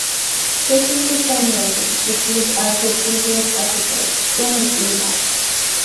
This was the same ratings received as the previous episode, "Skin of Evil".